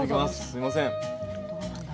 すみません。